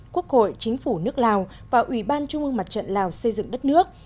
quốc hội chính phủ nước lào và ủy ban trung ương mặt trận lào xây dựng đất nước